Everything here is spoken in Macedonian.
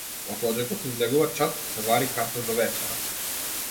Од оџакот излегува чад, се вари кафе за вечера.